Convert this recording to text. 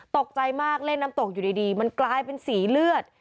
ตกใจมากเล่นน้ำตกอยู่ดีมันกลายเป็นสีเลือด